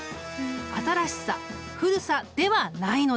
新しさ古さではないのだ。